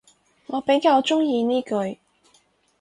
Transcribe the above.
我比較鍾意呢句